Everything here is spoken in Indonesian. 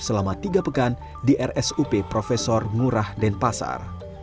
selama tiga pekan di rsup prof ngurah denpasar